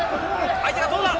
相手はどうだ。